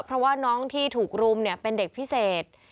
เพราะว่าน้องที่ถูกรุมเป็นเด็กพิเศษ